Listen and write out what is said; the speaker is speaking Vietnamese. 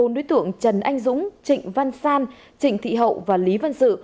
bốn đối tượng trần anh dũng trịnh văn san trịnh thị hậu và lý văn sự